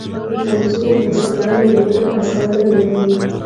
د کمزورو ماشومانو لپاره لوبې اسانه نه دي.